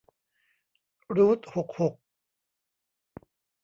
รูทหกหก